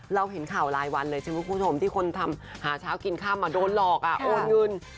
เราเห็นข่าวหลายวันเลยที่คนทำหาเช้ากินข้ามมาโดนหลอกโอนเงิน